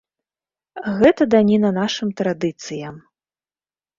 Гэта даніна нашым традыцыям.